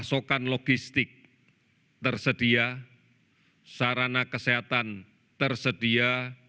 pasokan logistik tersedia sarana kesehatan tersedia